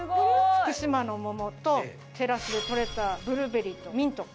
福島の桃とテラスでとれたブルーベリーとミント。